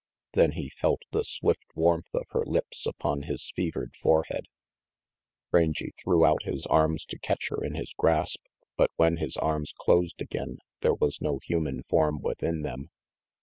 Then he felt the swift warmth of her lips upon his fevered forehead. Rangy threw out his arms to catch her in his grasp, but when his arms closed again there was no human form within them.